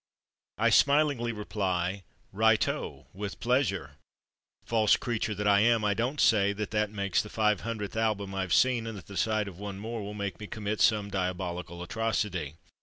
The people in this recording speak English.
I smilingly reply, " Righto, with pleasure." False creature that I am, I don't say that th ^ makes the five hundredth album Fve seen, and that the sight of one more will make me commit some diabolical atrocity.